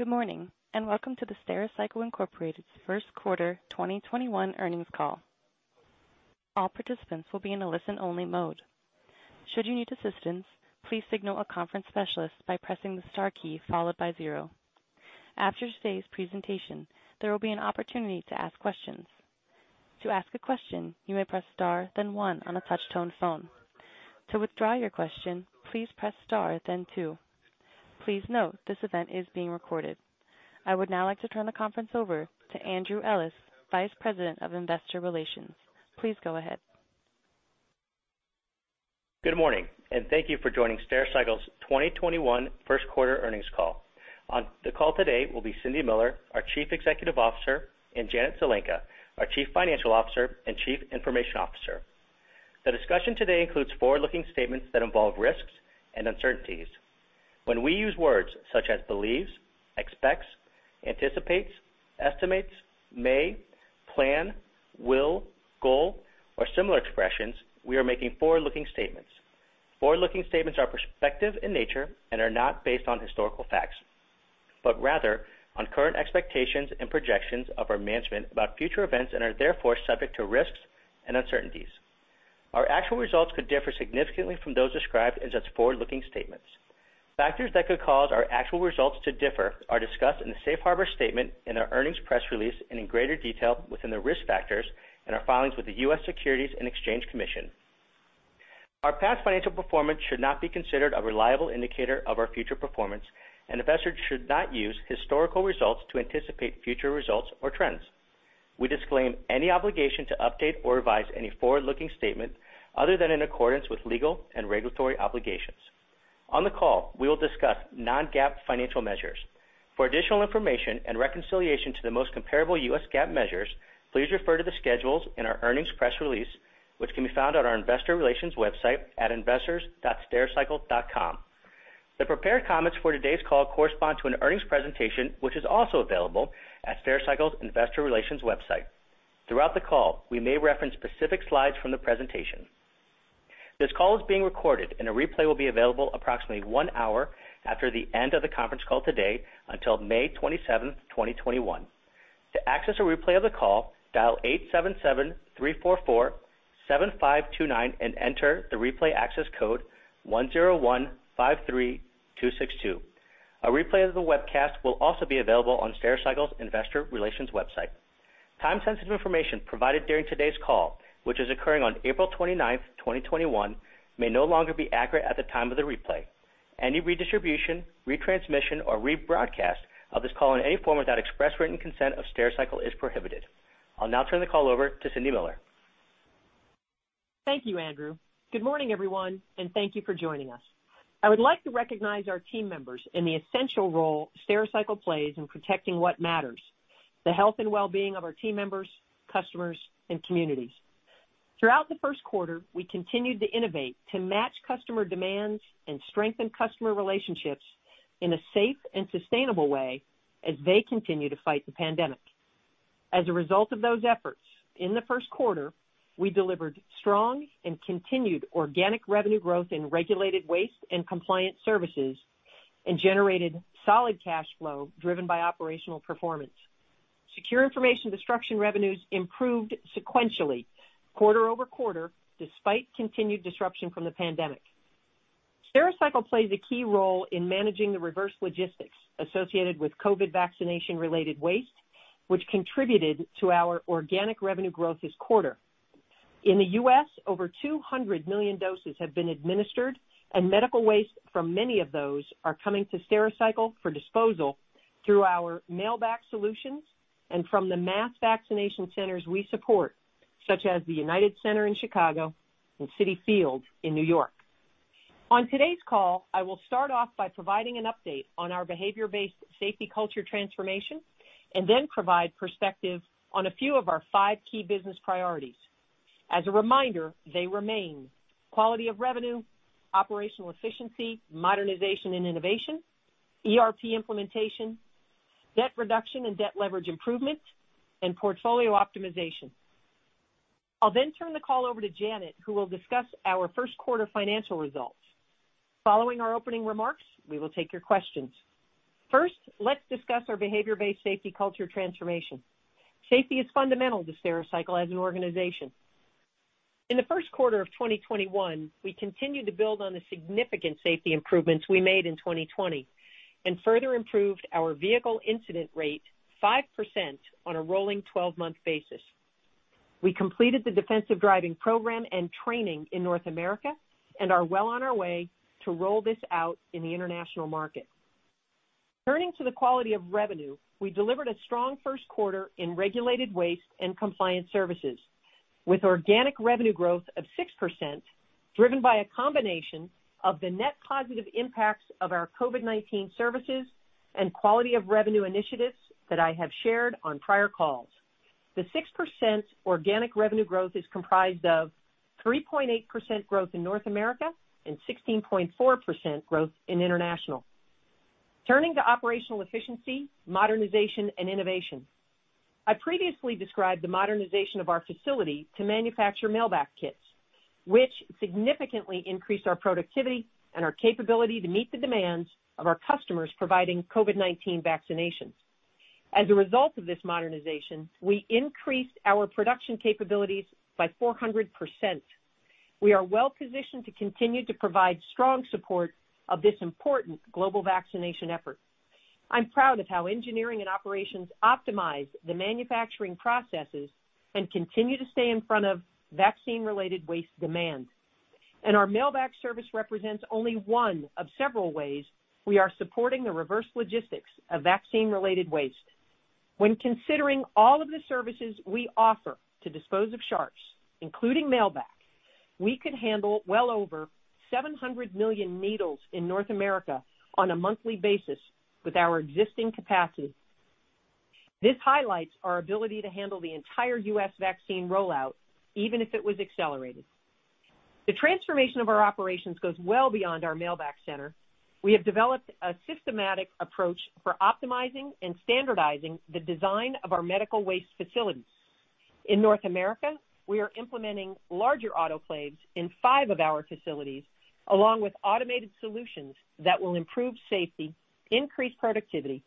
Good morning, welcome to the Stericycle, Inc.'s first quarter 2021 earnings call. All participants will be in a listen-only mode. Should you need assistance, please signal a conference specialist by pressing the star key followed by zero. After today's presentation, there will be an opportunity to ask questions. To ask a question, you may press star, then one on a touch-tone phone. To withdraw your question, please press star, then two. Please note, this event is being recorded. I would now like to turn the conference over to Andrew Ellis, Vice President of Investor Relations. Please go ahead. Good morning, and thank you for joining Stericycle's 2021 first quarter earnings call. On the call today will be Cindy Miller, our Chief Executive Officer, and Janet Zelenka, our Chief Financial Officer and Chief Information Officer. The discussion today includes forward-looking statements that involve risks and uncertainties. When we use words such as believes, expects, anticipates, estimates, may, plan, will, goal, or similar expressions, we are making forward-looking statements. Forward-looking statements are prospective in nature and are not based on historical facts, but rather on current expectations and projections of our management about future events and are therefore subject to risks and uncertainties. Our actual results could differ significantly from those described as its forward-looking statements. Factors that could cause our actual results to differ are discussed in the safe harbor statement in our earnings press release and in greater detail within the risk factors in our filings with the U.S. Securities and Exchange Commission. Our past financial performance should not be considered a reliable indicator of our future performance, and investors should not use historical results to anticipate future results or trends. We disclaim any obligation to update or revise any forward-looking statement other than in accordance with legal and regulatory obligations. On the call, we will discuss non-GAAP financial measures. For additional information and reconciliation to the most comparable U.S. GAAP measures, please refer to the schedules in our earnings press release, which can be found on our investor relations website at investors.stericycle.com. The prepared comments for today's call correspond to an earnings presentation, which is also available at Stericycle's investor relations website. Throughout the call, we may reference specific slides from the presentation. This call is being recorded, and a replay will be available approximately one hour after the end of the conference call today until May 27th, 2021. To access a replay of the call, dial 877-344-7529 and enter the replay access code 10153262. A replay of the webcast will also be available on Stericycle's investor relations website. Time-sensitive information provided during today's call, which is occurring on April 29th, 2021, may no longer be accurate at the time of the replay. Any redistribution, retransmission, or rebroadcast of this call in any form without express written consent of Stericycle is prohibited. I'll now turn the call over to Cindy Miller. Thank you, Andrew. Good morning, everyone, and thank you for joining us. I would like to recognize our team members in the essential role Stericycle plays in protecting what matters, the health and well-being of our team members, customers, and communities. Throughout the first quarter, we continued to innovate to match customer demands and strengthen customer relationships in a safe and sustainable way as they continue to fight the pandemic. As a result of those efforts, in the first quarter, we delivered strong and continued organic revenue growth in regulated waste and compliance services and generated solid cash flow driven by operational performance. Secure Information Destruction revenues improved sequentially quarter-over-quarter despite continued disruption from the pandemic. Stericycle plays a key role in managing the reverse logistics associated with COVID vaccination-related waste, which contributed to our organic revenue growth this quarter. In the U.S., over 200 million doses have been administered, and medical waste from many of those are coming to Stericycle for disposal through our mail-back solutions and from the mass vaccination centers we support, such as the United Center in Chicago and Citi Field in New York. On today's call, I will start off by providing an update on our behavior-based safety culture transformation and then provide perspective on a few of our five key business priorities. As a reminder, they remain quality of revenue, operational efficiency, modernization and innovation, ERP implementation, debt reduction and debt leverage improvement, and portfolio optimization. I'll then turn the call over to Janet, who will discuss our first quarter financial results. Following our opening remarks, we will take your questions. First, let's discuss our behavior-based safety culture transformation. Safety is fundamental to Stericycle as an organization. In the first quarter of 2021, we continued to build on the significant safety improvements we made in 2020 and further improved our vehicle incident rate 5% on a rolling 12-month basis. We completed the defensive driving program and training in North America and are well on our way to roll this out in the international market. Turning to the quality of revenue, we delivered a strong first quarter in regulated waste and compliance services with organic revenue growth of 6%, driven by a combination of the net positive impacts of our COVID-19 services and quality of revenue initiatives that I have shared on prior calls. The 6% organic revenue growth is comprised of 3.8% growth in North America and 16.4% growth in international. Turning to operational efficiency, modernization, and innovation. I previously described the modernization of our facility to manufacture mail-back kits, which significantly increased our productivity and our capability to meet the demands of our customers providing COVID-19 vaccinations. As a result of this modernization, we increased our production capabilities by 400%. We are well-positioned to continue to provide strong support of this important global vaccination effort. I'm proud of how engineering and operations optimize the manufacturing processes and continue to stay in front of vaccine-related waste demands. Our mail-back service represents only one of several ways we are supporting the reverse logistics of vaccine-related waste. When considering all of the services we offer to dispose of sharps, including mail-back, we can handle well over 700 million needles in North America on a monthly basis with our existing capacity. This highlights our ability to handle the entire U.S. vaccine rollout, even if it was accelerated. The transformation of our operations goes well beyond our mail-back center. We have developed a systematic approach for optimizing and standardizing the design of our medical waste facilities. In North America, we are implementing larger autoclaves in five of our facilities, along with automated solutions that will improve safety, increase productivity,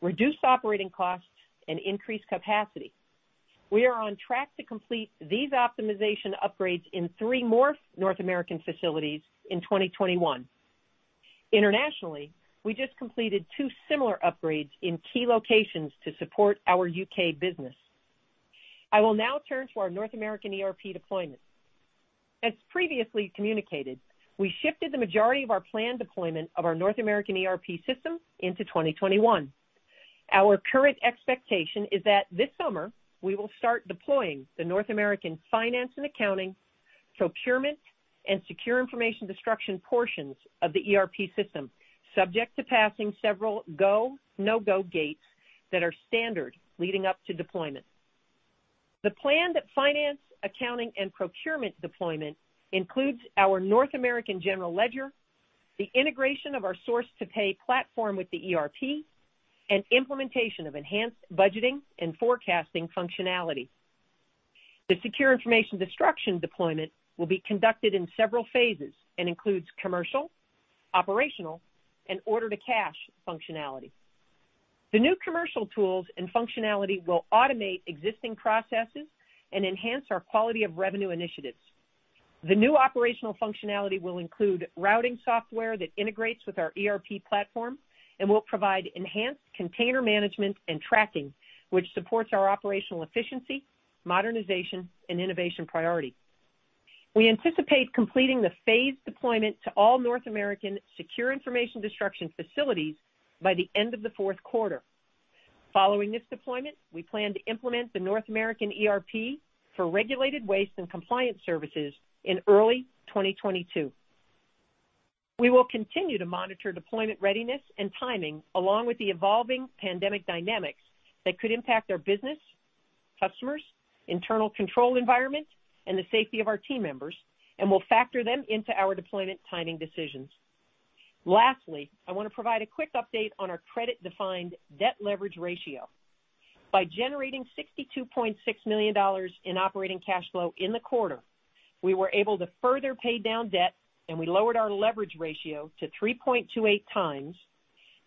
reduce operating costs, and increase capacity. We are on track to complete these optimization upgrades in three more North American facilities in 2021. Internationally, we just completed two similar upgrades in key locations to support our U.K. business. I will now turn to our North American ERP deployment. As previously communicated, we shifted the majority of our planned deployment of our North American ERP system into 2021. Our current expectation is that this summer, we will start deploying the North American finance and accounting, procurement, and Secure Information Destruction portions of the ERP system, subject to passing several go, no-go gates that are standard leading up to deployment. The planned finance, accounting, and procurement deployment includes our North American general ledger, the integration of our source-to-pay platform with the ERP, and implementation of enhanced budgeting and forecasting functionality. The Secure Information Destruction deployment will be conducted in several phases and includes commercial, operational, and order-to-cash functionality. The new commercial tools and functionality will automate existing processes and enhance our quality of revenue initiatives. The new operational functionality will include routing software that integrates with our ERP platform and will provide enhanced container management and tracking, which supports our operational efficiency, modernization, and innovation priority. We anticipate completing the phased deployment to all North American Secure Information Destruction facilities by the end of the fourth quarter. Following this deployment, we plan to implement the North American ERP for regulated waste and compliance services in early 2022. We will continue to monitor deployment readiness and timing, along with the evolving pandemic dynamics that could impact our business, customers, internal control environment, and the safety of our team members, and we'll factor them into our deployment timing decisions. Lastly, I want to provide a quick update on our credit-defined debt leverage ratio. By generating $62.6 million in operating cash flow in the quarter, we were able to further pay down debt, and we lowered our leverage ratio to 3.28x,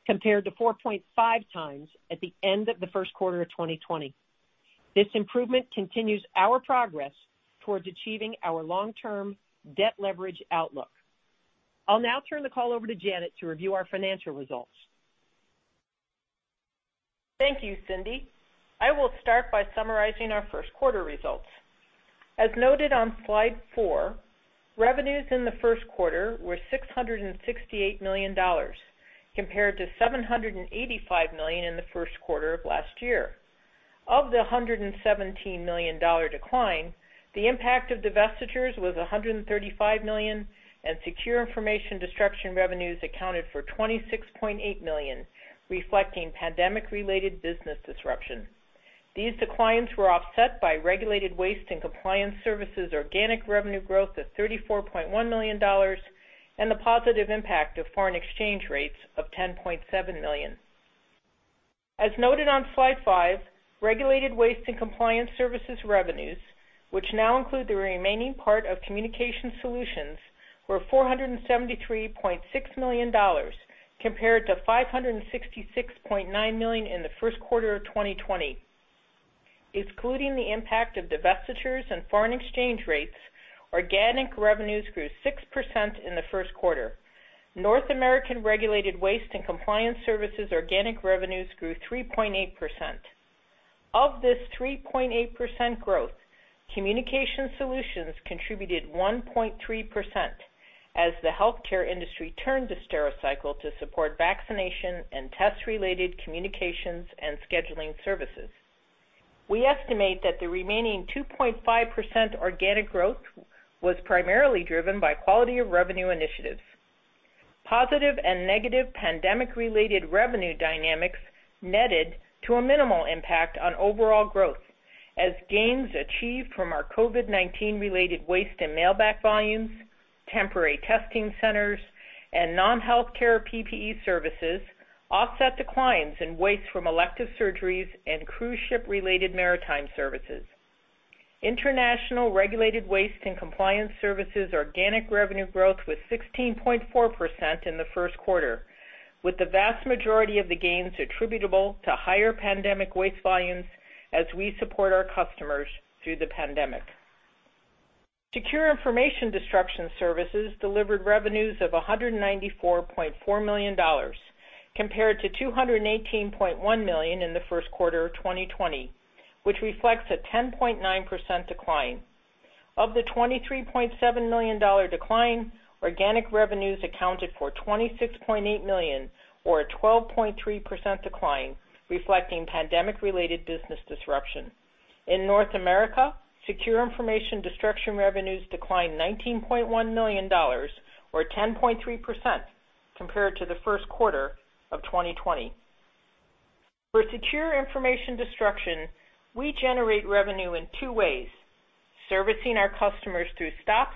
compared to 4.5x at the end of the first quarter of 2020. This improvement continues our progress towards achieving our long-term debt leverage outlook. I'll now turn the call over to Janet to review our financial results. Thank you, Cindy. I will start by summarizing our first quarter results. As noted on slide four, revenues in the first quarter were $668 million, compared to $785 million in the first quarter of last year. Of the $117 million decline, the impact of divestitures was $135 million, Secure Information Destruction revenues accounted for $26.8 million, reflecting pandemic-related business disruption. These declines were offset by regulated waste and compliance services organic revenue growth of $34.1 million and the positive impact of foreign exchange rates of $10.7 million. As noted on slide five, regulated waste and compliance services revenues, which now include the remaining part of Communication Solutions, were $473.6 million, compared to $566.9 million in the first quarter of 2020. Excluding the impact of divestitures and foreign exchange rates, organic revenues grew 6% in the first quarter. North American regulated waste and compliance services organic revenues grew 3.8%. Of this 3.8% growth, Communication Solutions contributed 1.3% as the healthcare industry turned to Stericycle to support vaccination and test-related communications and scheduling services. We estimate that the remaining 2.5% organic growth was primarily driven by quality of revenue initiatives. Positive and negative pandemic-related revenue dynamics netted to a minimal impact on overall growth as gains achieved from our COVID-19 related waste and mail-back volumes. Temporary testing centers and non-healthcare PPE services offset declines in waste from elective surgeries and cruise ship-related maritime services. International regulated waste and compliance services organic revenue growth was 16.4% in the first quarter, with the vast majority of the gains attributable to higher pandemic waste volumes as we support our customers through the pandemic. Secure Information Destruction Services delivered revenues of $194.4 million compared to $218.1 million in the first quarter of 2020, which reflects a 10.9% decline. Of the $23.7 million decline, organic revenues accounted for $26.8 million, or a 12.3% decline, reflecting pandemic-related business disruption. In North America, Secure Information Destruction revenues declined $19.1 million or 10.3% compared to the first quarter of 2020. For Secure Information Destruction, we generate revenue in two ways, servicing our customers through stops,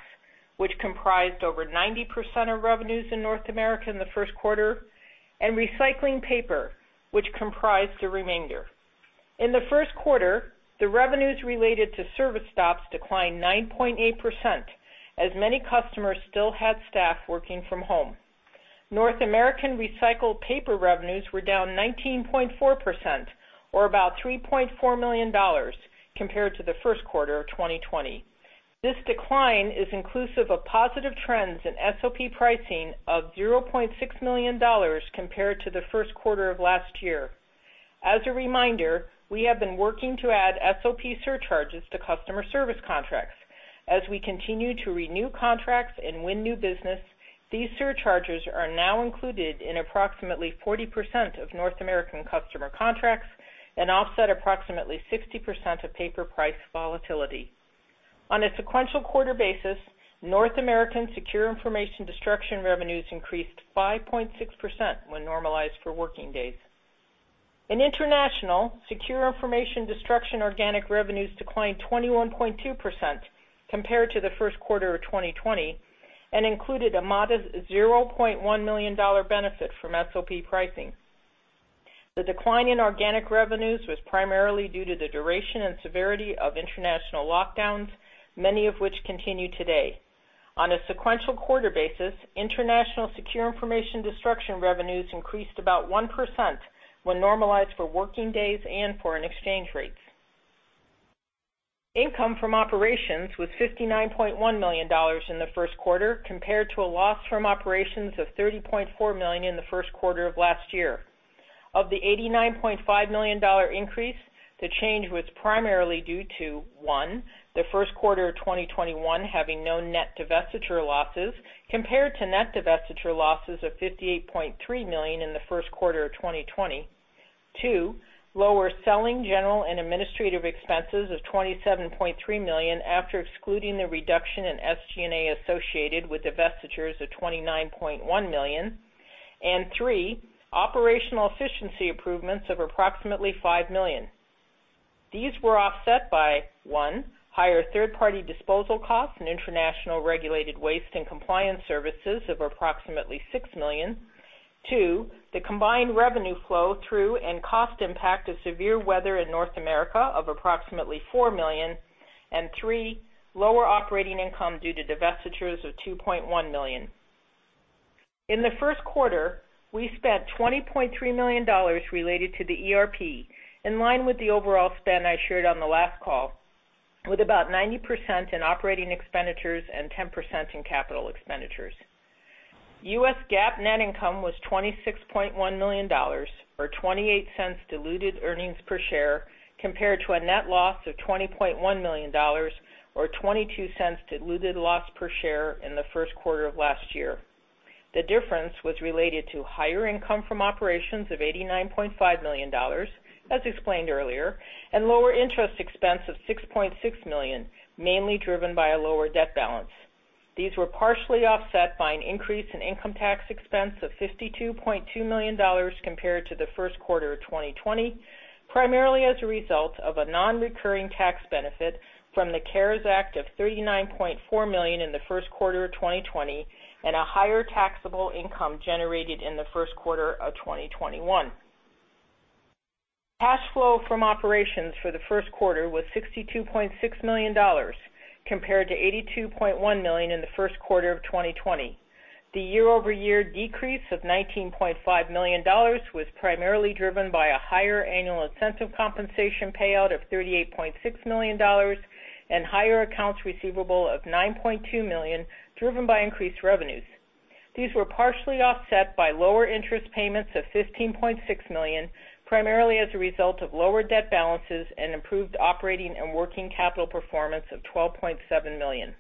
which comprised over 90% of revenues in North America in the first quarter, and recycling paper, which comprised the remainder. In the first quarter, the revenues related to service stops declined 9.8%, as many customers still had staff working from home. North American recycled paper revenues were down 19.4%, or about $3.4 million, compared to the first quarter of 2020. This decline is inclusive of positive trends in SOP pricing of $0.6 million compared to the first quarter of last year. As a reminder, we have been working to add SOP surcharges to customer service contracts. As we continue to renew contracts and win new business, these surcharges are now included in approximately 40% of North American customer contracts and offset approximately 60% of paper price volatility. On a sequential quarter basis, North American Secure Information Destruction revenues increased 5.6% when normalized for working days. In international, Secure Information Destruction organic revenues declined 21.2% compared to the first quarter of 2020 and included a modest $0.1 million benefit from SOP pricing. The decline in organic revenues was primarily due to the duration and severity of international lockdowns, many of which continue today. On a sequential quarter basis, International Secure Information Destruction revenues increased about 1% when normalized for working days and foreign exchange rates. Income from operations was $59.1 million in the first quarter, compared to a loss from operations of $30.4 million in the first quarter of last year. Of the $89.5 million increase, the change was primarily due to, One, the first quarter of 2021 having no net divestiture losses, compared to net divestiture losses of $58.3 million in the first quarter of 2020. Two, lower selling, general, and administrative expenses of $27.3 million after excluding the reduction in SG&A associated with divestitures of $29.1 million. Three, operational efficiency improvements of approximately $5 million. These were offset by, one, higher third-party disposal costs in International Regulated Waste and Compliance Services of approximately $6 million. Two, the combined revenue flow through and cost impact of severe weather in North America of approximately $4 million. Three, lower operating income due to divestitures of $2.1 million. In the first quarter, we spent $20.3 million related to the ERP, in line with the overall spend I shared on the last call, with about 90% in operating expenditures and 10% in capital expenditures. U.S. GAAP net income was $26.1 million, or $0.28 diluted earnings per share, compared to a net loss of $20.1 million, or $0.22 diluted loss per share in the first quarter of last year. The difference was related to higher income from operations of $89.5 million, as explained earlier, and lower interest expense of $6.6 million, mainly driven by a lower debt balance. These were partially offset by an increase in income tax expense of $52.2 million compared to the first quarter of 2020, primarily as a result of a non-recurring tax benefit from the CARES Act of $39.4 million in the first quarter of 2020 and a higher taxable income generated in the first quarter of 2021. Cash flow from operations for the first quarter was $62.6 million, compared to $82.1 million in the first quarter of 2020. The year-over-year decrease of $19.5 million was primarily driven by a higher annual incentive compensation payout of $38.6 million and higher accounts receivable of $9.2 million, driven by increased revenues. These were partially offset by lower interest payments of $15.6 million, primarily as a result of lower debt balances and improved operating and working capital performance of $12.7 million.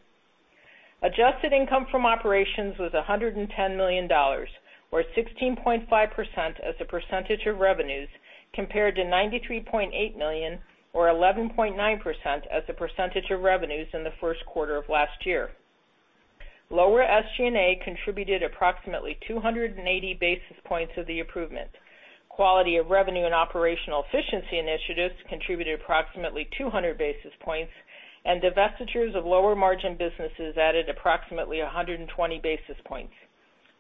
Adjusted income from operations was $110 million, or 16.5% as a percentage of revenues, compared to $93.8 million, or 11.9% as a percentage of revenues in the first quarter of last year. Lower SG&A contributed approximately 280 basis points of the improvement. Quality of revenue and operational efficiency initiatives contributed approximately 200 basis points, and divestitures of lower margin businesses added approximately 120 basis points.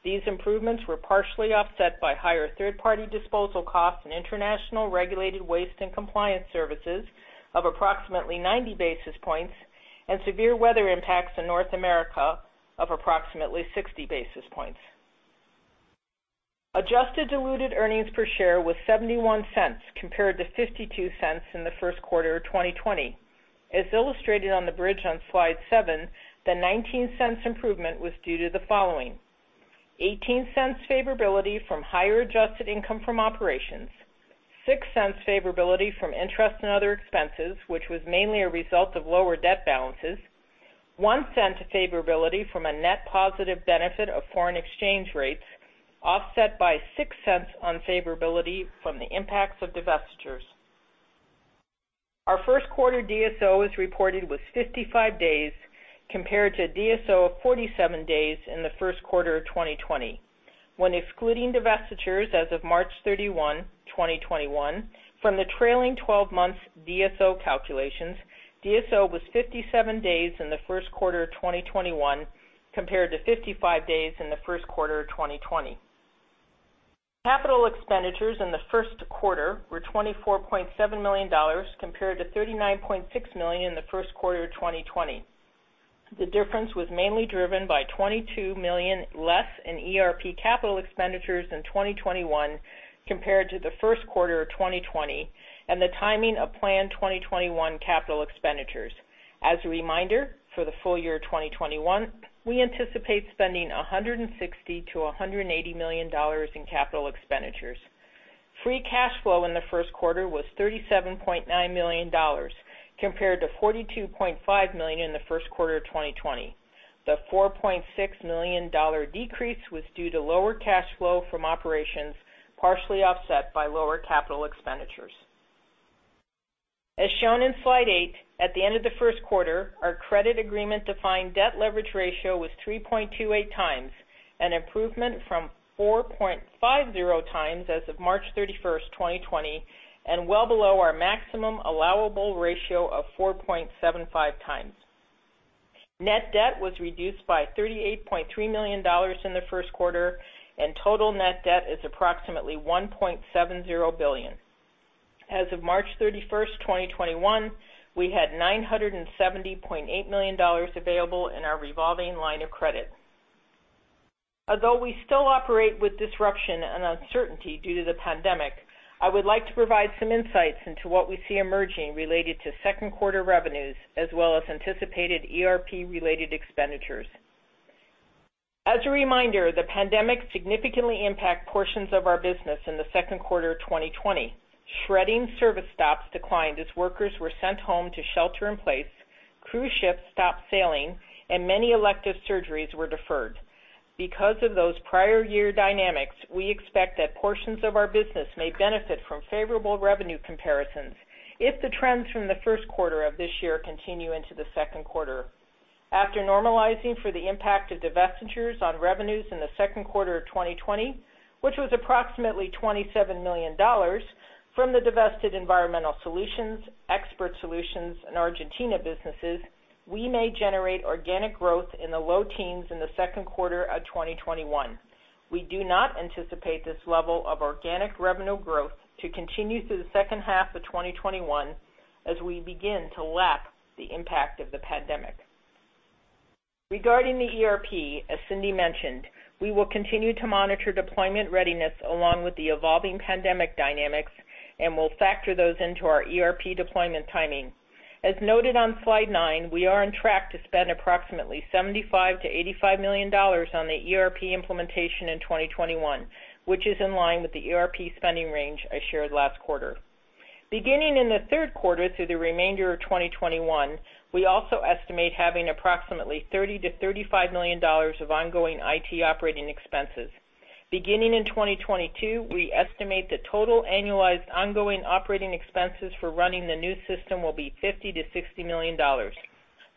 These improvements were partially offset by higher third-party disposal costs in international Regulated Waste and Compliance Services of approximately 90 basis points and severe weather impacts in North America of approximately 60 basis points. Adjusted diluted earnings per share was $0.71 compared to $0.52 in the first quarter of 2020. As illustrated on the bridge on slide seven, the $0.19 improvement was due to the following: $0.18 favorability from higher adjusted income from operations, $0.06 favorability from interest and other expenses, which was mainly a result of lower debt balances, $0.01 favorability from a net positive benefit of foreign exchange rates, offset by $0.06 unfavorability from the impacts of divestitures. Our first quarter DSO, as reported, was 55 days compared to a DSO of 47 days in the first quarter of 2020. When excluding divestitures as of March 31, 2021, from the trailing 12 months DSO calculations, DSO was 57 days in the first quarter of 2021 compared to 55 days in the first quarter of 2020. Capital expenditures in the first quarter were $24.7 million compared to $39.6 million in the first quarter of 2020. The difference was mainly driven by $22 million less in ERP capital expenditures in 2021 compared to the first quarter of 2020, and the timing of planned 2021 capital expenditures. As a reminder, for the full year 2021, we anticipate spending $160 million-$180 million in capital expenditures. Free cash flow in the first quarter was $37.9 million compared to $42.5 million in the first quarter of 2020. The $4.6 million decrease was due to lower cash flow from operations, partially offset by lower capital expenditures. As shown in slide eight, at the end of the first quarter, our credit agreement-defined debt leverage ratio was 3.28x, an improvement from 4.50x as of March 31st, 2020, and well below our maximum allowable ratio of 4.75x. Net debt was reduced by $38.3 million in the first quarter, total net debt is approximately $1.70 billion. As of March 31st, 2021, we had $970.8 million available in our revolving line of credit. Although we still operate with disruption and uncertainty due to the pandemic, I would like to provide some insights into what we see emerging related to second quarter revenues as well as anticipated ERP-related expenditures. As a reminder, the pandemic significantly impact portions of our business in the second quarter of 2020. Shredding service stops declined as workers were sent home to shelter in place, cruise ships stopped sailing, and many elective surgeries were deferred. Because of those prior year dynamics, we expect that portions of our business may benefit from favorable revenue comparisons if the trends from the first quarter of this year continue into the second quarter. After normalizing for the impact of divestitures on revenues in the second quarter of 2020, which was approximately $27 million from the divested Environmental Solutions, Expert Solutions, and Argentina businesses, we may generate organic growth in the low teens in the second quarter of 2021. We do not anticipate this level of organic revenue growth to continue through the second half of 2021 as we begin to lap the impact of the pandemic. Regarding the ERP, as Cindy mentioned, we will continue to monitor deployment readiness along with the evolving pandemic dynamics, and we'll factor those into our ERP deployment timing. As noted on slide nine, we are on track to spend approximately $75 million-$85 million on the ERP implementation in 2021, which is in line with the ERP spending range I shared last quarter. Beginning in the third quarter through the remainder of 2021, we also estimate having approximately $30 million-$35 million of ongoing IT operating expenses. Beginning in 2022, we estimate the total annualized ongoing operating expenses for running the new system will be $50 million-$60 million.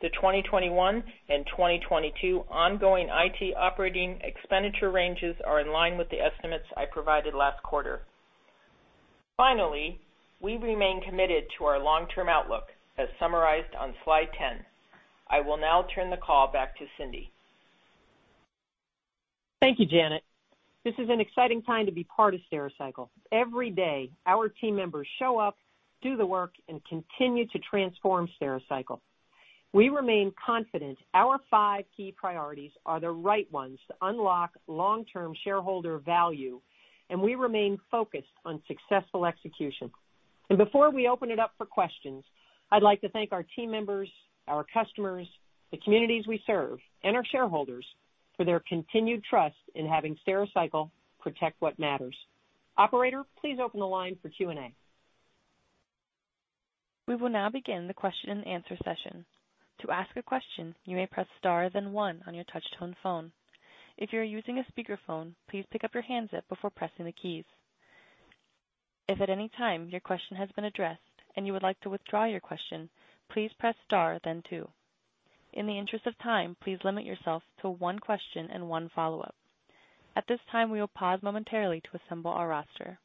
The 2021 and 2022 ongoing IT operating expenditure ranges are in line with the estimates I provided last quarter. Finally, we remain committed to our long-term outlook, as summarized on slide 10. I will now turn the call back to Cindy. Thank you, Janet. This is an exciting time to be part of Stericycle. Every day, our team members show up, do the work, and continue to transform Stericycle. We remain confident our five key priorities are the right ones to unlock long-term shareholder value. We remain focused on successful execution. Before we open it up for questions, I'd like to thank our team members, our customers, the communities we serve, and our shareholders for their continued trust in having Stericycle protect what matters. Operator, please open the line for Q&A. We will now begin the question and answer session. To ask a question, you may press star then one on your touch tone phone. If you are using a speakerphone, please pick up your handset before pressing the keys. If at any time your question has been addressed and you would like to withdraw your question, please press star then two. In the interest of time, please limit yourself to one question and one follow-up. At this time, we will pause momentarily to assemble our roster.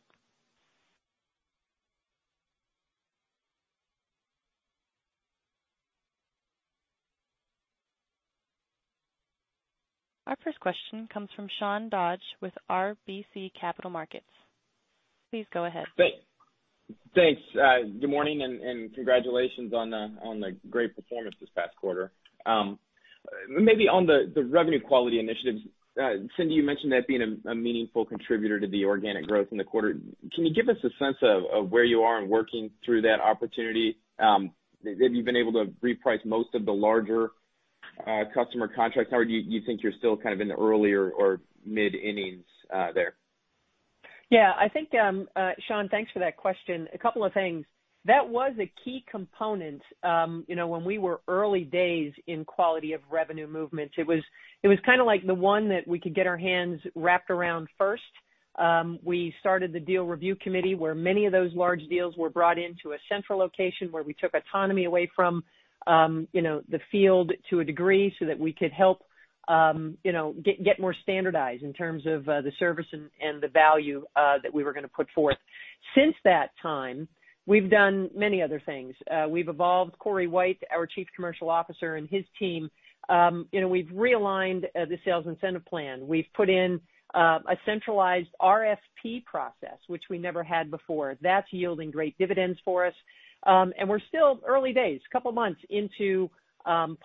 Our first question comes from Sean Dodge with RBC Capital Markets. Please go ahead. Thanks. Good morning. Congratulations on the great performance this past quarter. Maybe on the revenue quality initiatives, Cindy, you mentioned that being a meaningful contributor to the organic growth in the quarter. Can you give us a sense of where you are in working through that opportunity? Have you been able to reprice most of the larger customer contracts, or do you think you're still kind of in the earlier or mid-innings there? Yeah, I think, Sean, thanks for that question. A couple of things. That was a key component. When we were early days in quality of revenue movement, it was kind of like the one that we could get our hands wrapped around first. We started the deal review committee, where many of those large deals were brought into a central location where we took autonomy away from the field to a degree so that we could help get more standardized in terms of the service and the value that we were going to put forth. Since that time, we've done many other things. We've evolved Cory White, our Chief Commercial Officer, and his team. We've realigned the sales incentive plan. We've put in a centralized RFP process, which we never had before. That's yielding great dividends for us. We're still early days, a couple of months into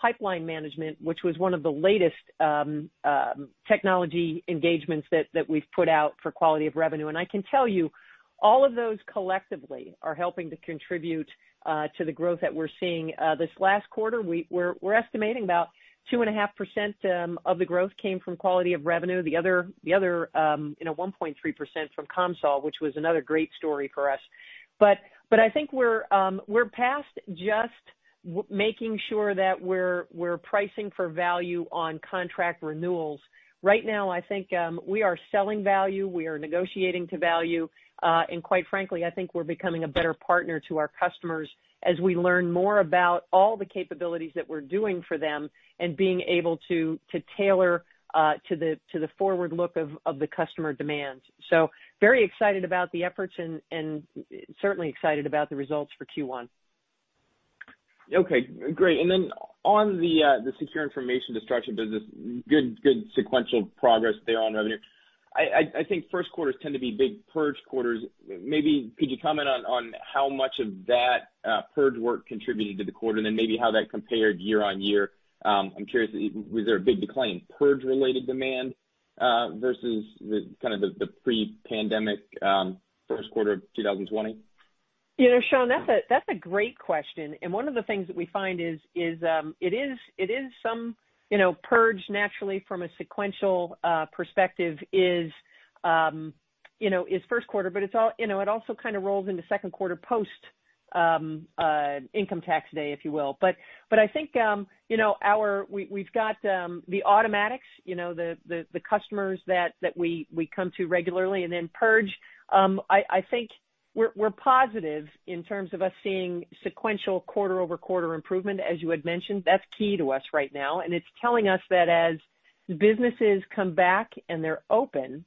pipeline management, which was one of the latest technology engagements that we've put out for quality of revenue. I can tell you, all of those collectively are helping to contribute to the growth that we're seeing. This last quarter, we're estimating about 2.5% of the growth came from quality of revenue, the other 1.3% from CommSol, which was another great story for us. I think we're past just making sure that we're pricing for value on contract renewals. Right now, I think we are selling value, we are negotiating to value, and quite frankly, I think we're becoming a better partner to our customers as we learn more about all the capabilities that we're doing for them and being able to tailor to the forward look of the customer demands. Very excited about the efforts and certainly excited about the results for Q1. Okay, great. On the Secure Information Destruction business, good sequential progress there on revenue. I think first quarters tend to be big purge quarters. Could you comment on how much of that purge work contributed to the quarter, and then maybe how that compared year-over-year? I'm curious, was there a big decline in purge-related demand versus kind of the pre-pandemic first quarter of 2020? Sean, that's a great question. One of the things that we find it is some purge naturally from a sequential perspective is first quarter, but it also kind of rolls into second quarter post Income Tax Day, if you will. I think we've got the automatics, the customers that we come to regularly and then purge. I think we're positive in terms of us seeing sequential quarter-over-quarter improvement, as you had mentioned. That's key to us right now, and it's telling us that as businesses come back and they're open,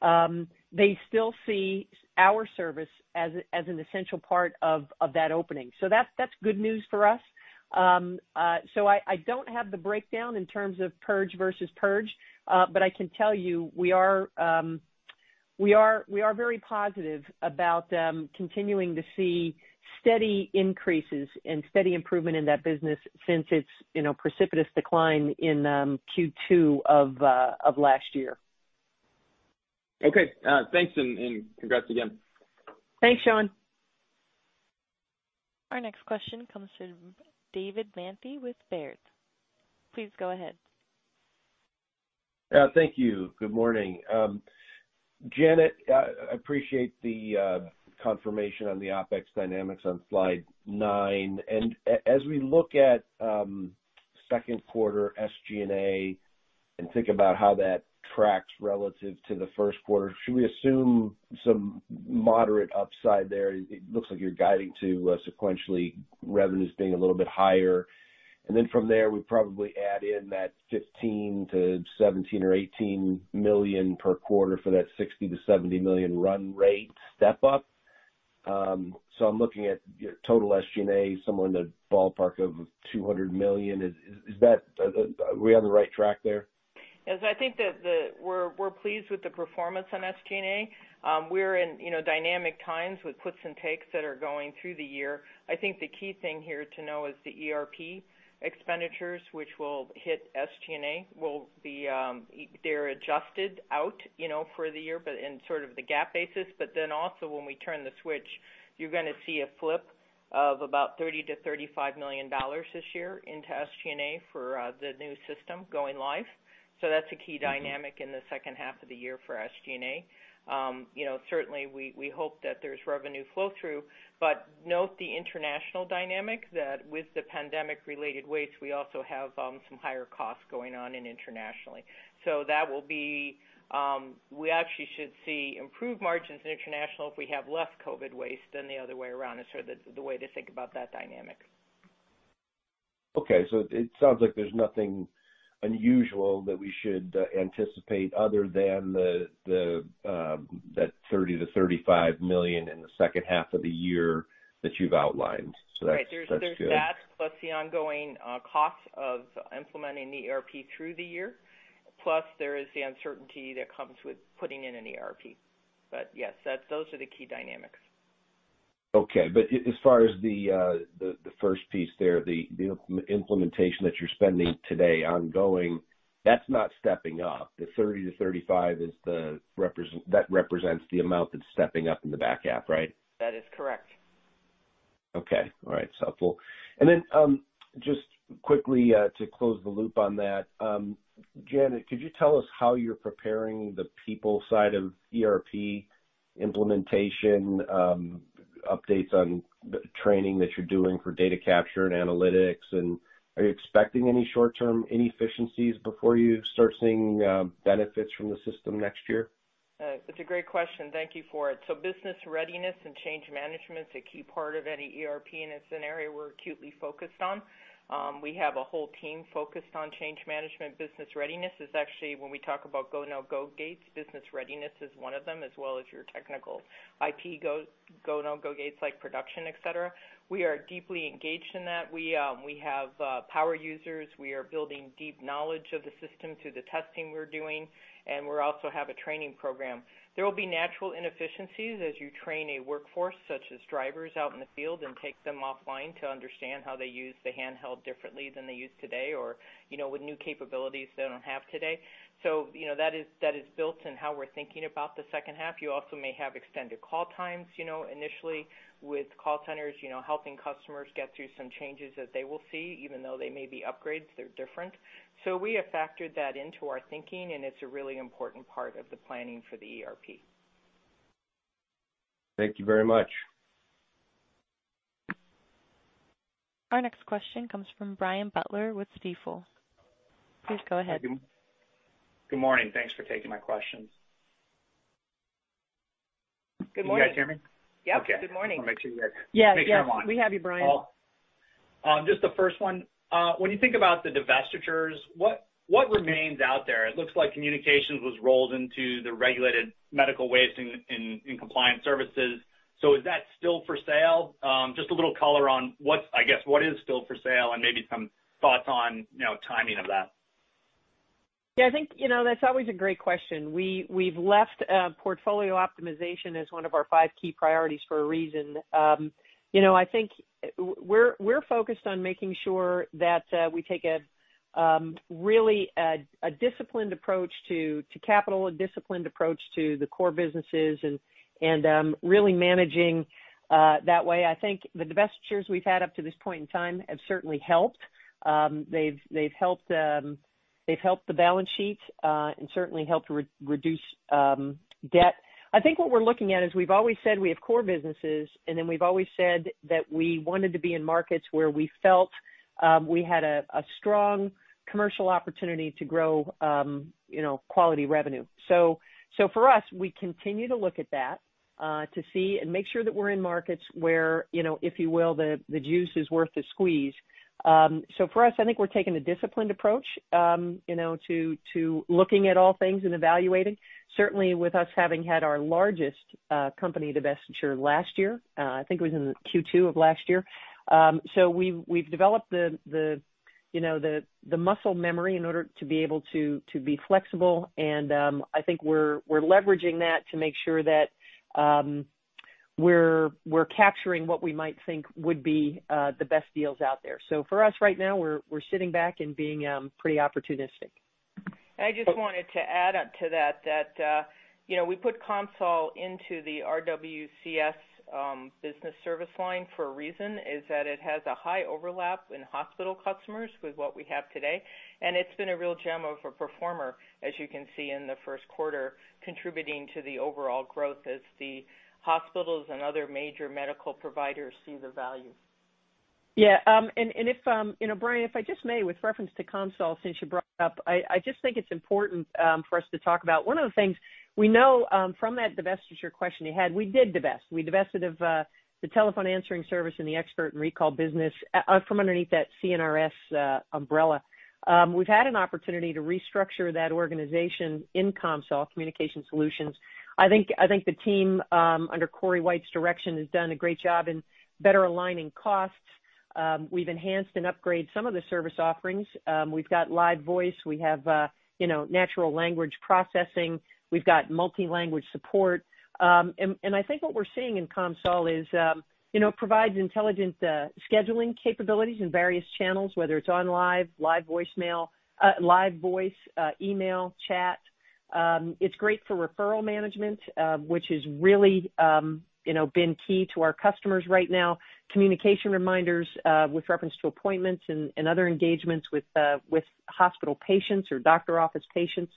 they still see our service as an essential part of that opening. I don't have the breakdown in terms of purge versus purge. I can tell you, we are very positive about continuing to see steady increases and steady improvement in that business since its precipitous decline in Q2 of last year. Okay. Thanks, and congrats again. Thanks, Sean. Our next question comes from David Manthey with Baird. Please go ahead. Thank you. Good morning. Janet, I appreciate the confirmation on the OpEx dynamics on slide nine. As we look at second quarter SG&A and think about how that tracks relative to the first quarter, should we assume some moderate upside there? It looks like you're guiding to sequentially revenues being a little bit higher. From there, we probably add in that $15 million-$17 million or $18 million per quarter for that $60 million-$70 million run rate step up. I'm looking at total SG&A somewhere in the ballpark of $200 million. Are we on the right track there? Yes, I think that we're pleased with the performance on SG&A. We're in dynamic times with puts and takes that are going through the year. I think the key thing here to know is the ERP expenditures, which will hit SG&A, they're adjusted out for the year, but in sort of the GAAP basis. Also, when we turn the switch, you're going to see a flip of about $30 million-$35 million this year into SG&A for the new system going live. That's a key dynamic in the second half of the year for SG&A. Certainly, we hope that there's revenue flow through, but note the international dynamic that with the pandemic-related waste, we also have some higher costs going on in internationally. We actually should see improved margins in international if we have less COVID waste than the other way around is sort of the way to think about that dynamic. Okay, it sounds like there's nothing unusual that we should anticipate other than that $30 million-$35 million in the second half of the year that you've outlined. That's good. Right. There's that, plus the ongoing cost of implementing the ERP through the year. There is the uncertainty that comes with putting in an ERP. Yes, those are the key dynamics. Okay, as far as the first piece there, the implementation that you're spending today, ongoing, that's not stepping up. The $30-$35, that represents the amount that's stepping up in the back half, right? That is correct. Okay. All right. It's helpful. Just quickly, to close the loop on that, Janet, could you tell us how you're preparing the people side of ERP implementation, updates on the training that you're doing for data capture and analytics, and are you expecting any short-term inefficiencies before you start seeing benefits from the system next year? It's a great question. Thank you for it. Business readiness and change management is a key part of any ERP, and it's an area we're acutely focused on. We have a whole team focused on change management. Business readiness is actually when we talk about go/no-go gates, business readiness is one of them, as well as your technical IT go/no-go gates like production, et cetera. We are deeply engaged in that. We have power users. We are building deep knowledge of the system through the testing we're doing, and we also have a training program. There will be natural inefficiencies as you train a workforce, such as drivers out in the field and take them offline to understand how they use the handheld differently than they use today, or with new capabilities they don't have today. That is built in how we're thinking about the second half. You also may have extended call times initially with call centers helping customers get through some changes that they will see, even though they may be upgrades, they're different. We have factored that into our thinking, and it's a really important part of the planning for the ERP. Thank you very much. Our next question comes from Brian Butler with Stifel. Please go ahead. Good morning. Thanks for taking my questions. Good morning. Can you guys hear me? Yeah. Good morning. Okay. Yes. Make sure I'm on. We have you, Brian. Just the first one. When you think about the divestitures, what remains out there? It looks like communications was rolled into the regulated medical waste and compliance services. Is that still for sale? Just a little color on what is still for sale and maybe some thoughts on timing of that. Yeah, I think, that's always a great question. We've left portfolio optimization as one of our five key priorities for a reason. I think we're focused on making sure that we take a really disciplined approach to capital, a disciplined approach to the core businesses, and really managing that way. I think the divestitures we've had up to this point in time have certainly helped. They've helped the balance sheet, and certainly helped reduce debt. I think what we're looking at is we've always said we have core businesses, and then we've always said that we wanted to be in markets where we felt we had a strong commercial opportunity to grow quality revenue. For us, we continue to look at that, to see and make sure that we're in markets where, if you will, the juice is worth the squeeze. For us, I think we're taking a disciplined approach to looking at all things and evaluating. Certainly, with us having had our largest company divestiture last year, I think it was in Q2 of last year. We've developed the muscle memory in order to be able to be flexible, and I think we're leveraging that to make sure that we're capturing what we might think would be the best deals out there. For us right now, we're sitting back and being pretty opportunistic. I just wanted to add up to that, we put CommSol into the RWCS business service line for a reason, is that it has a high overlap in hospital customers with what we have today. It's been a real gem of a performer, as you can see in the first quarter, contributing to the overall growth as the hospitals and other major medical providers see the value. Yeah. Brian, if I just may, with reference to CommSol, since you brought it up, I just think it's important for us to talk about one of the things we know from that divestiture question you had, we did divest. We divested of the telephone answering service and the ExpertRECALL business from underneath that CRS umbrella. We've had an opportunity to restructure that organization in CommSol Communication Solutions. I think the team under Cory White's direction has done a great job in better aligning costs. We've enhanced and upgraded some of the service offerings. We've got live voice. We have natural language processing. We've got multi-language support. I think what we're seeing in CommSol is it provides intelligent scheduling capabilities in various channels, whether it's on live voicemail, live voice, email, chat. It's great for referral management, which has really been key to our customers right now. Communication reminders, with reference to appointments and other engagements with hospital patients or doctor office patients.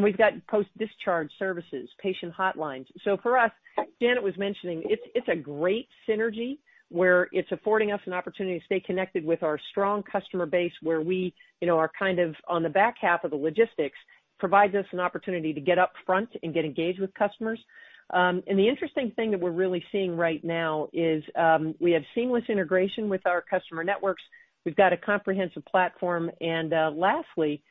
We've got post-discharge services, patient hotlines. For us, Janet was mentioning it's a great synergy where it's affording us an opportunity to stay connected with our strong customer base where we are kind of on the back half of the logistics, provides us an opportunity to get up front and get engaged with customers. The interesting thing that we're really seeing right now is we have seamless integration with our customer networks. We've got a comprehensive platform. Lastly,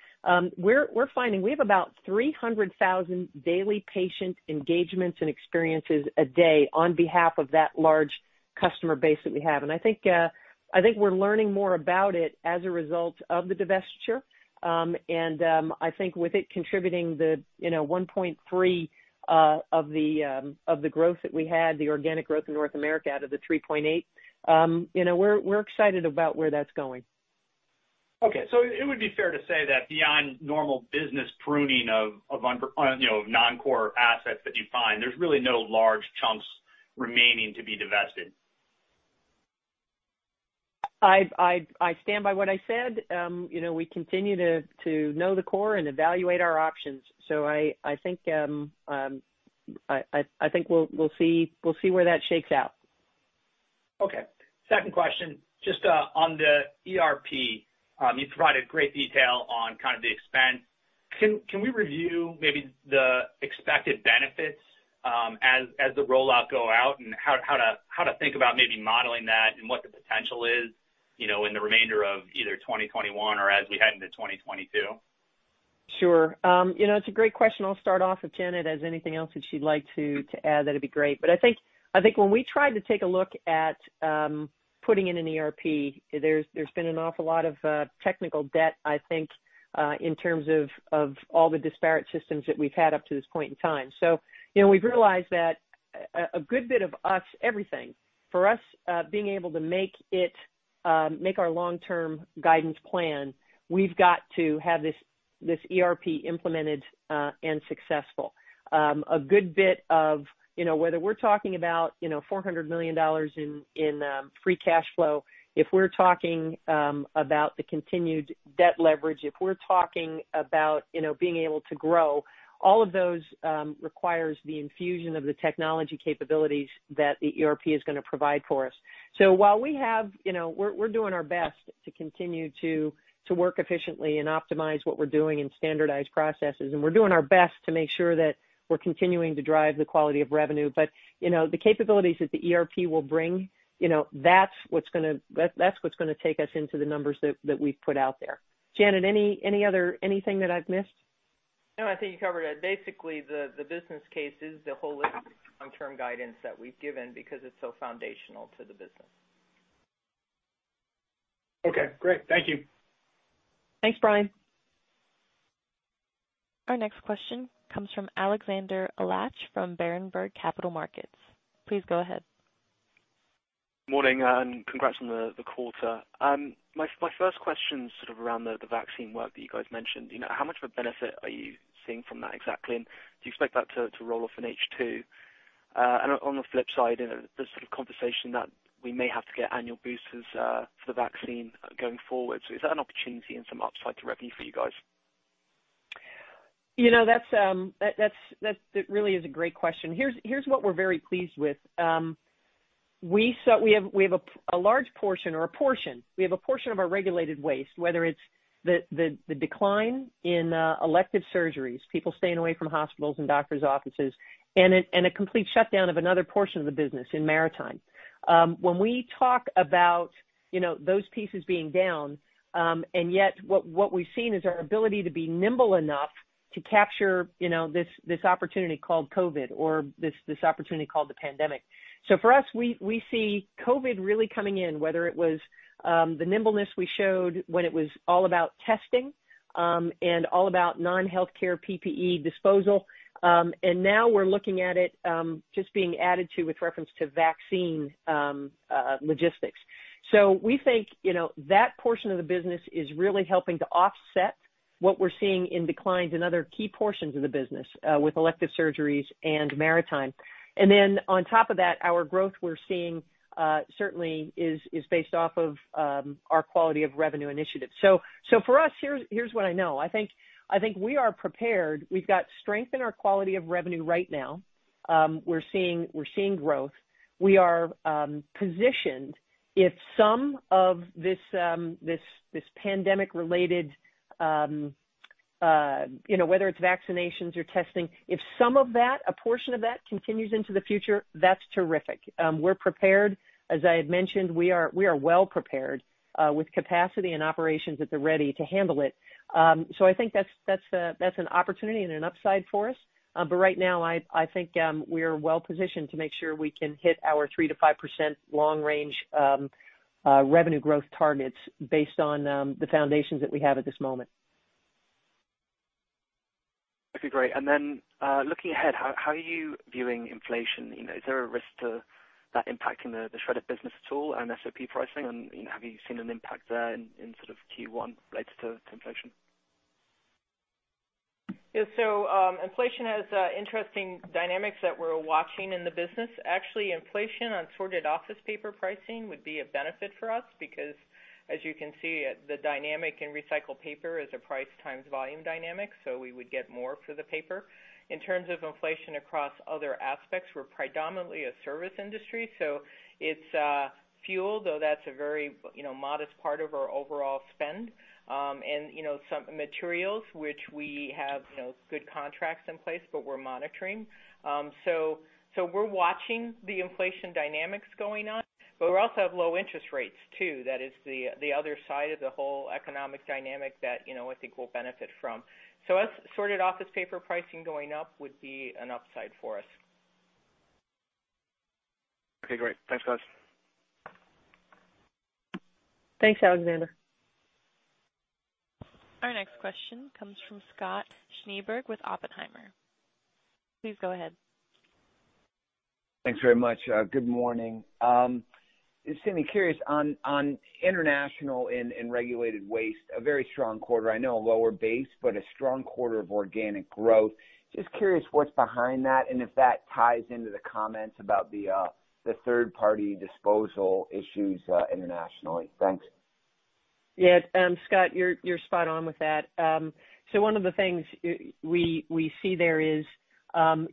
we're finding we have about 300,000 daily patient engagements and experiences a day on behalf of that large customer base that we have. I think we're learning more about it as a result of the divestiture. I think with it contributing the 1.3% of the growth that we had, the organic growth in North America out of the 3.8%, we're excited about where that's going. It would be fair to say that beyond normal business pruning of non-core assets that you find, there is really no large chunks remaining to be divested. I stand by what I said. We continue to know the core and evaluate our options. I think we'll see where that shakes out. Okay. Second question, just on the ERP. You provided great detail on kind of the expense. Can we review maybe the expected benefits as the rollout go out, and how to think about maybe modeling that and what the potential is, in the remainder of either 2021 or as we head into 2022? Sure. It's a great question. I'll start off if Janet has anything else that she'd like to add, that'd be great. I think when we tried to take a look at putting in an ERP, there's been an awful lot of technical debt, I think, in terms of all the disparate systems that we've had up to this point in time. We've realized that a good bit of us, everything, for us, being able to make our long-term guidance plan, we've got to have this ERP implemented and successful. A good bit of whether we're talking about $400 million in free cash flow, if we're talking about the continued debt leverage, if we're talking about being able to grow, all of those requires the infusion of the technology capabilities that the ERP is going to provide for us. While we're doing our best to continue to work efficiently and optimize what we're doing and standardize processes, and we're doing our best to make sure that we're continuing to drive the quality of revenue, but the capabilities that the ERP will bring, that's what's going to take us into the numbers that we've put out there. Janet, anything that I've missed? No, I think you covered it. Basically, the business case is the holistic long-term guidance that we've given because it's so foundational to the business. Okay, great. Thank you. Thanks, Brian. Our next question comes from Alexander Leach from Berenberg Capital Markets. Please go ahead. Morning, congrats on the quarter. My first question is sort of around the vaccine work that you guys mentioned. How much of a benefit are you seeing from that exactly, and do you expect that to roll off in H2? On the flip side, there's sort of conversation that we may have to get annual boosters for the vaccine going forward. Is that an opportunity and some upside to revenue for you guys? That really is a great question. Here's what we're very pleased with. We have a portion of our regulated waste, whether it's the decline in elective surgeries, people staying away from hospitals and doctor's offices, and a complete shutdown of another portion of the business in maritime. We talk about those pieces being down, and yet what we've seen is our ability to be nimble enough to capture this opportunity called COVID or this opportunity called the pandemic. For us, we see COVID really coming in, whether it was the nimbleness we showed when it was all about testing, and all about non-healthcare PPE disposal. Now we're looking at it, just being added to with reference to vaccine logistics. We think, that portion of the business is really helping to offset what we're seeing in declines in other key portions of the business, with elective surgeries and maritime. Then on top of that, our growth we're seeing, certainly is based off of our quality of revenue initiatives. For us, here's what I know. I think we are prepared. We've got strength in our quality of revenue right now. We're seeing growth. We are positioned if some of this pandemic-related, whether it's vaccinations or testing, if some of that, a portion of that continues into the future, that's terrific. We're prepared. As I had mentioned, we are well prepared, with capacity and operations at the ready to handle it. I think that's an opportunity and an upside for us. Right now, I think we're well-positioned to make sure we can hit our 3%-5% long-range revenue growth targets based on the foundations that we have at this moment. That'd be great. Looking ahead, how are you viewing inflation? Is there a risk to that impacting the Shred-it business at all and SOP pricing, and have you seen an impact there in sort of Q1 related to inflation? Yeah. Inflation has interesting dynamics that we're watching in the business. Actually, inflation on sorted office paper pricing would be a benefit for us because as you can see, the dynamic in recycled paper is a price times volume dynamic, so we would get more for the paper. In terms of inflation across other aspects, we're predominantly a service industry, so it's fuel, though that's a very modest part of our overall spend. Some materials which we have good contracts in place, but we're monitoring. We're watching the inflation dynamics going on, but we also have low interest rates, too. That is the other side of the whole economic dynamic that I think we'll benefit from. That sorted office paper pricing going up would be an upside for us. Okay, great. Thanks, guys. Thanks, Alexander. Our next question comes from Scott Schneeberger with Oppenheimer. Please go ahead. Thanks very much. Good morning. Cindy, curious on international and regulated waste, a very strong quarter. I know a lower base, but a strong quarter of organic growth. Just curious what's behind that, and if that ties into the comments about the third-party disposal issues internationally. Thanks. Yeah, Scott, you're spot on with that. One of the things we see there is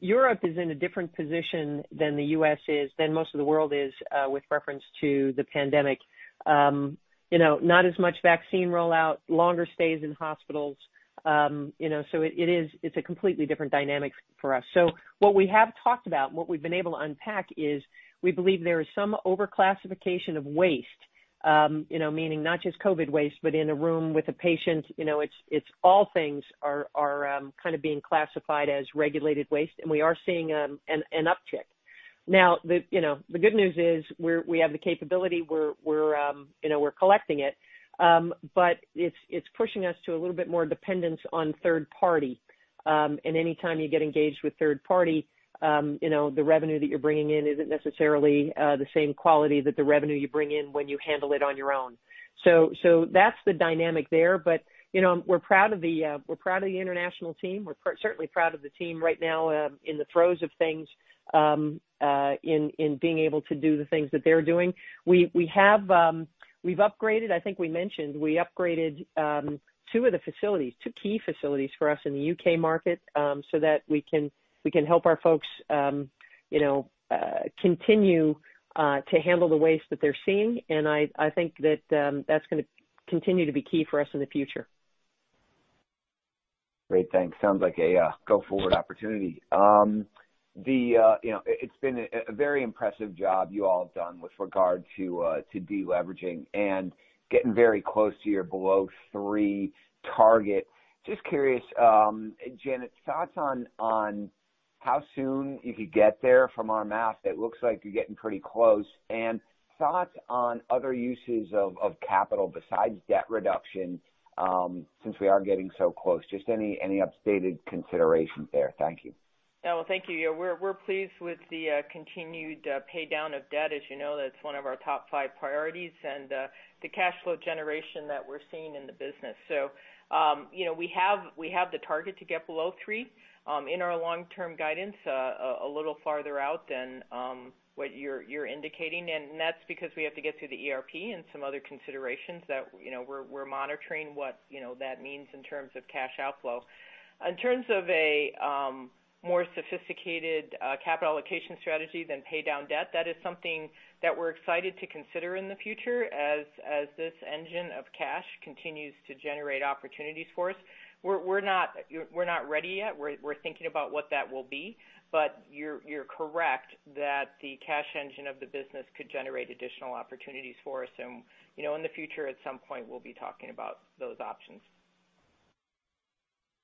Europe is in a different position than the U.S. is, than most of the world is, with reference to the pandemic. Not as much vaccine rollout, longer stays in hospitals. It's a completely different dynamic for us. What we have talked about, what we've been able to unpack is we believe there is some over-classification of waste, meaning not just COVID-19 waste, but in a room with a patient, it's all things are kind of being classified as regulated waste, and we are seeing an uptick. Now, the good news is we have the capability. We're collecting it, but it's pushing us to a little bit more dependence on third party. Anytime you get engaged with third-party, the revenue that you're bringing in isn't necessarily the same quality that the revenue you bring in when you handle it on your own. That's the dynamic there. We're proud of the international team. We're certainly proud of the team right now in the throes of things, in being able to do the things that they're doing. We've upgraded, I think we mentioned, we upgraded two of the facilities, two key facilities for us in the U.K. market, so that we can help our folks continue to handle the waste that they're seeing. I think that's going to continue to be key for us in the future. Great. Thanks. Sounds like a go-forward opportunity. It's been a very impressive job you all have done with regard to de-leveraging and getting very close to your below three target. Just curious, Janet, thoughts on how soon you could get there. From our math, it looks like you're getting pretty close. Thoughts on other uses of capital besides debt reduction, since we are getting so close. Just any updated considerations there. Thank you. Yeah. Well, thank you. We're pleased with the continued pay-down of debt. As you know, that's one of our top five priorities and the cash flow generation that we're seeing in the business. We have the target to get below three in our long-term guidance, a little farther out than what you're indicating. That's because we have to get through the ERP and some other considerations that we're monitoring what that means in terms of cash outflow. In terms of a more sophisticated capital allocation strategy than pay down debt, that is something that we're excited to consider in the future as this engine of cash continues to generate opportunities for us. We're not ready yet. We're thinking about what that will be. You're correct that the cash engine of the business could generate additional opportunities for us. In the future, at some point, we'll be talking about those options.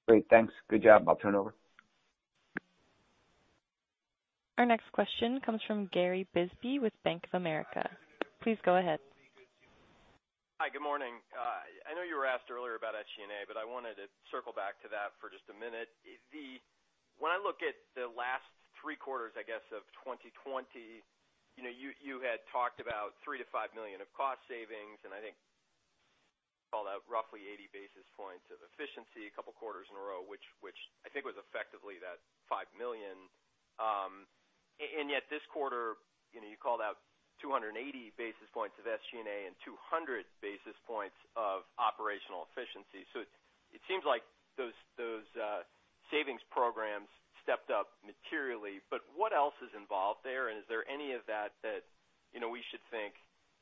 Great. Thanks. Good job. I'll turn over. Our next question comes from Gary Bisbee with Bank of America. Please go ahead. Hi. Good morning. I know you were asked earlier about SG&A. I wanted to circle back to that for just a minute. When I look at the last three quarters, I guess, of 2020, you had talked about $3 million-$5 million of cost savings, and I think called out roughly 80 basis points of efficiency a couple of quarters in a row, which I think was effectively that $5 million. Yet this quarter, you called out 280 basis points of SG&A and 200 basis points of operational efficiency. It seems like those savings programs stepped up materially. What else is involved there? Is there any of that that we should think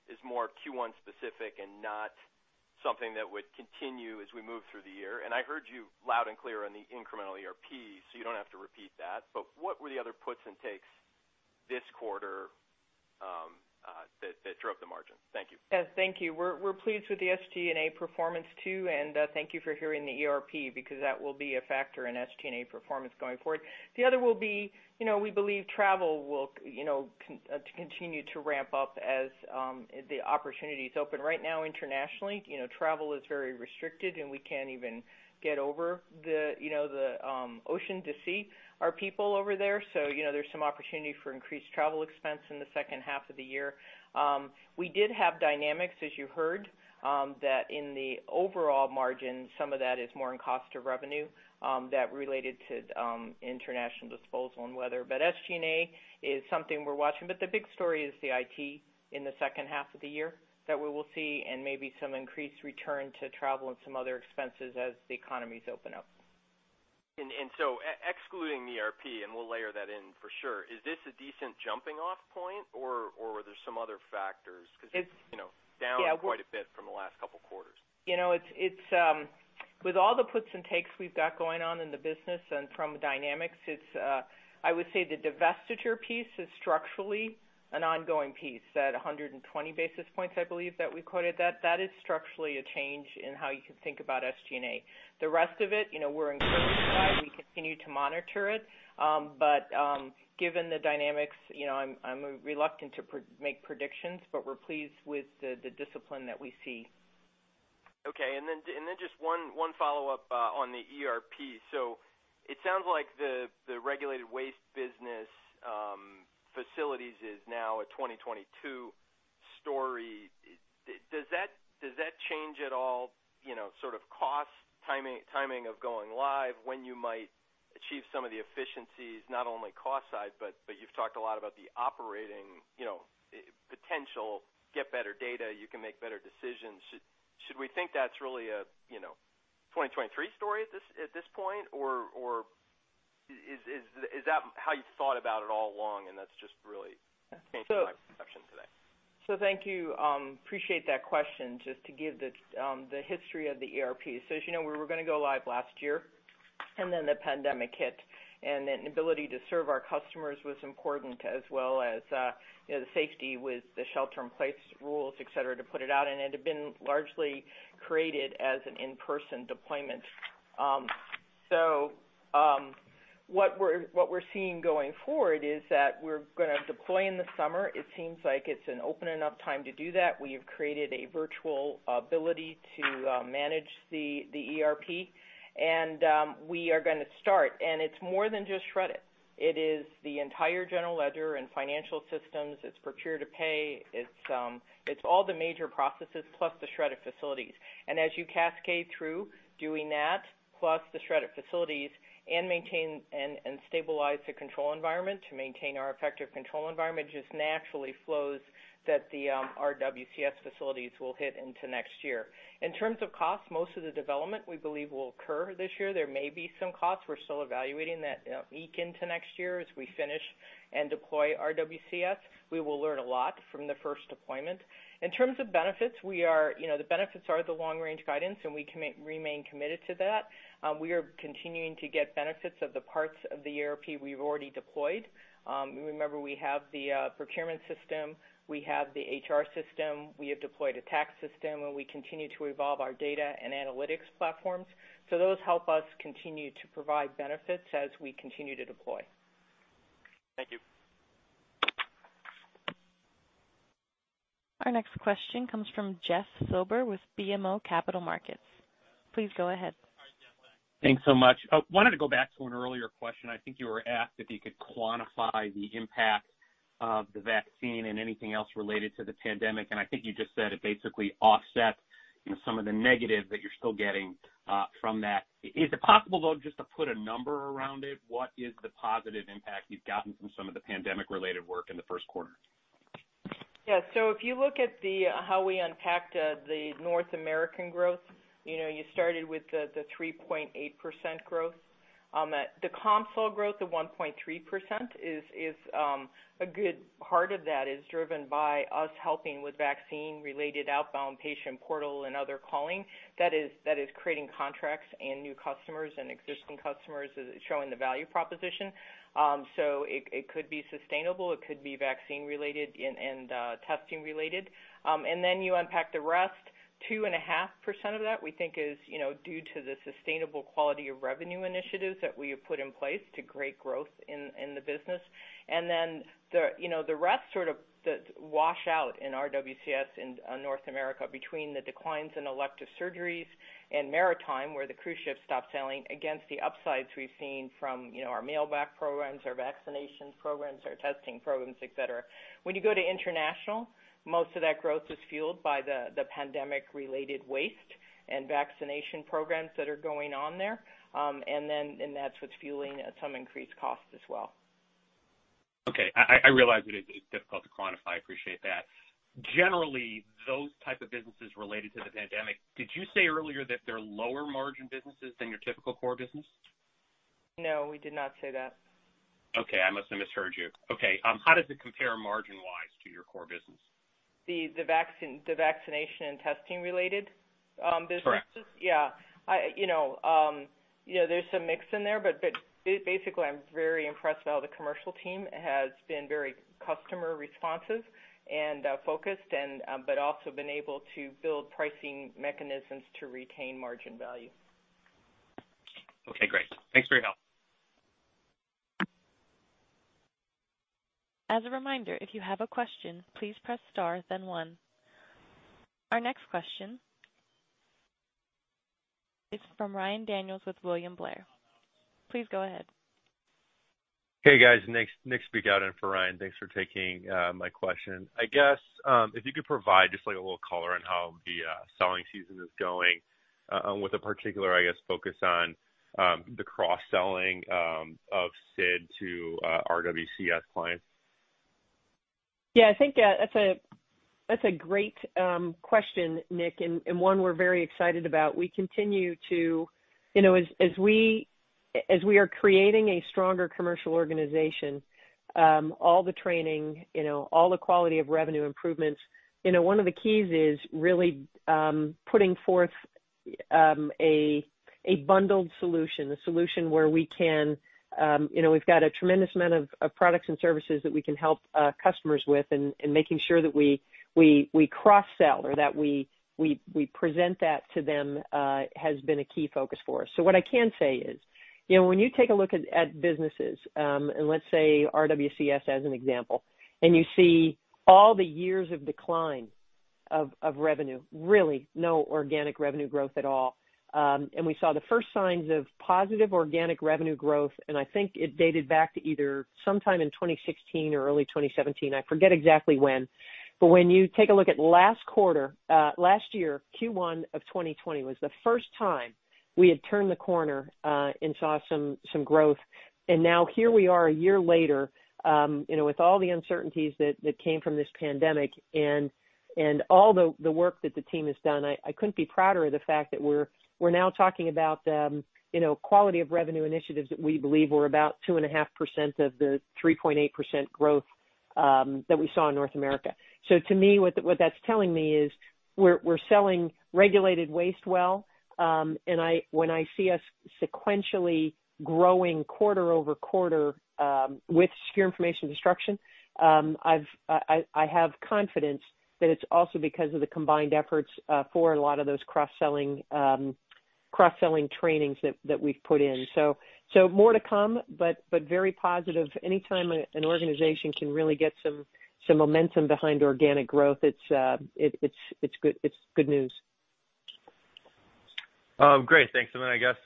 is more Q1 specific and not something that would continue as we move through the year? I heard you loud and clear on the incremental ERP, so you don't have to repeat that. What were the other puts and takes this quarter that drove the margin? Thank you. Yeah. Thank you. We're pleased with the SG&A performance too. Thank you for hearing the ERP, because that will be a factor in SG&A performance going forward. The other will be, we believe travel will continue to ramp up as the opportunities open. Right now internationally, travel is very restricted, and we can't even get over the ocean to see our people over there. There's some opportunity for increased travel expense in the second half of the year. We did have dynamics, as you heard, that in the overall margin, some of that is more in cost of revenue that related to international disposal and weather. SG&A is something we're watching. The big story is the IT in the second half of the year that we will see and maybe some increased return to travel and some other expenses as the economies open up. Excluding the ERP, and we'll layer that in for sure, is this a decent jumping off point or were there some other factors? It's down quite a bit from the last couple of quarters. With all the puts and takes we've got going on in the business and from a dynamics, I would say the divestiture piece is structurally an ongoing piece. That 120 basis points, I believe, that we quoted, that is structurally a change in how you can think about SG&A. The rest of it, we're encouraged by. We continue to monitor it. Given the dynamics, I'm reluctant to make predictions, but we're pleased with the discipline that we see. Okay. Just one follow-up on the ERP. It sounds like the regulated waste business facilities is now a 2022 story. Does that change at all sort of cost timing of going live, when you might achieve some of the efficiencies, not only cost side, but you've talked a lot about the operating potential, get better data, you can make better decisions. Should we think that's really a 2023 story at this point? Is that how you've thought about it all along, and that's just really changed my perception today? Thank you. Appreciate that question. Just to give the history of the ERP. As you know, we were going to go live last year, and then the pandemic hit, and an ability to serve our customers was important, as well as the safety with the shelter in place rules, et cetera, to put it out. It had been largely created as an in-person deployment. What we're seeing going forward is that we're going to deploy in the summer. It seems like it's an open enough time to do that. We have created a virtual ability to manage the ERP, and we are going to start. It's more than just Shred-it. It is the entire general ledger and financial systems. It's procure-to-pay. It's all the major processes plus the Shred-it facilities. As you cascade through doing that, plus the Shred-it facilities, and stabilize the control environment to maintain our effective control environment, just naturally flows that the RWCS facilities will hit into next year. In terms of cost, most of the development we believe will occur this year. There may be some costs. We're still evaluating that eke into next year as we finish and deploy RWCS. We will learn a lot from the first deployment. In terms of benefits, the benefits are the long-range guidance, and we remain committed to that. We are continuing to get benefits of the parts of the ERP we've already deployed. Remember, we have the procurement system, we have the HR system, we have deployed a tax system, and we continue to evolve our data and analytics platforms. Those help us continue to provide benefits as we continue to deploy. Thank you. Our next question comes from Jeff Silber with BMO Capital Markets. Please go ahead. Thanks so much. I wanted to go back to an earlier question. I think you were asked if you could quantify the impact of the vaccine and anything else related to the pandemic, and I think you just said it basically offsets some of the negative that you're still getting from that. Is it possible, though, just to put a number around it? What is the positive impact you've gotten from some of the pandemic-related work in the first quarter? Yeah. If you look at how we unpacked the North American growth, you started with the 3.8% growth. The CommSol growth of 1.3%, a good part of that is driven by us helping with vaccine-related outbound patient portal and other calling. That is creating contracts and new customers and existing customers, showing the value proposition. It could be sustainable. It could be vaccine-related and testing related. You unpack the rest, 2.5% of that we think is due to the sustainable quality of revenue initiatives that we have put in place to great growth in the business. The rest sort of wash out in RWCS in North America between the declines in elective surgeries and maritime, where the cruise ships stopped sailing, against the upsides we've seen from our mail-back programs, our vaccination programs, our testing programs, et cetera. When you go to international, most of that growth is fueled by the pandemic-related waste and vaccination programs that are going on there. That's what's fueling some increased costs as well. Okay. I realize it is difficult to quantify. I appreciate that. Generally, those type of businesses related to the pandemic, did you say earlier that they're lower margin businesses than your typical core business? No, we did not say that. Okay. I must have misheard you. Okay. How does it compare margin-wise to your core business? The vaccination and testing related businesses? Correct. Yeah. There's some mix in there, but basically, I'm very impressed by how the commercial team has been very customer responsive and focused, but also been able to build pricing mechanisms to retain margin value. Okay, great. Thanks for your help. As a reminder, if you have a question, please press star then one. Our next question is from Ryan Daniels with William Blair. Please go ahead. Hey, guys. Nick speaking out in for Ryan. Thanks for taking my question. I guess, if you could provide just a little color on how the selling season is going, with a particular, I guess, focus on the cross-selling of SID to RWCS clients. Yeah, I think that's a great question, Nick, and one we're very excited about. As we are creating a stronger commercial organization, all the training, all the quality of revenue improvements, one of the keys is really putting forth a bundled solution, a solution where we've got a tremendous amount of products and services that we can help customers with, and making sure that we cross-sell or that we present that to them has been a key focus for us. What I can say is, when you take a look at businesses, and let's say RWCS as an example, and you see all the years of decline Of revenue, really no organic revenue growth at all. We saw the first signs of positive organic revenue growth, and I think it dated back to either sometime in 2016 or early 2017. I forget exactly when. When you take a look at last quarter, last year, Q1 of 2020 was the first time we had turned the corner and saw some growth. Now here we are a year later, with all the uncertainties that came from this pandemic and all the work that the team has done, I couldn't be prouder of the fact that we're now talking about quality of revenue initiatives that we believe were about 2.5% of the 3.8% growth that we saw in North America. To me, what that's telling me is we're selling regulated waste well. When I see us sequentially growing quarter-over-quarter with Secure Information Destruction, I have confidence that it's also because of the combined efforts for a lot of those cross-selling trainings that we've put in. More to come, but very positive. Anytime an organization can really get some momentum behind organic growth, it's good news. Great. Thanks. I guess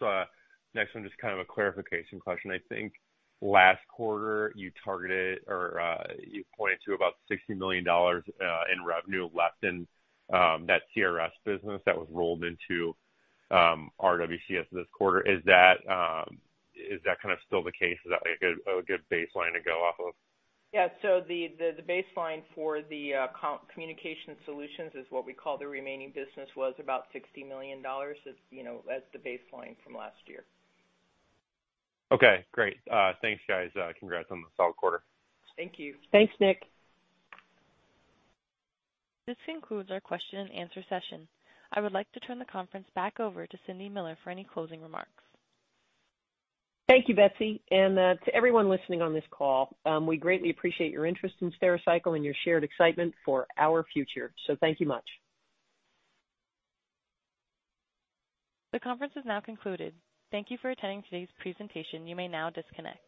next one, just a clarification question. I think last quarter you targeted or you pointed to about $60 million in revenue left in that CRS business that was rolled into RWCS this quarter. Is that still the case? Is that a good baseline to go off of? Yeah. The baseline for the Communication Solutions is what we call the remaining business was about $60 million. That's the baseline from last year. Okay, great. Thanks, guys. Congrats on the solid quarter. Thank you. Thanks, Nick. This concludes our question and answer session. I would like to turn the conference back over to Cindy Miller for any closing remarks. Thank you, Betsy, and to everyone listening on this call, we greatly appreciate your interest in Stericycle and your shared excitement for our future, so thank you much. The conference is now concluded. Thank you for attending today's presentation. You may now disconnect.